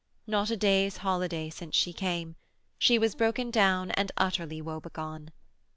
Not a day's holiday since she came. She was broken down and utterly woebegone.